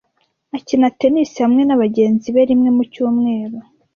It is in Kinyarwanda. Akina tennis hamwe nabagenzi be rimwe mu cyumweru.